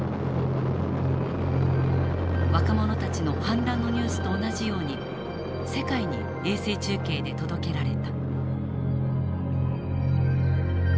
若者たちの反乱のニュースと同じように世界に衛星中継で届けられた。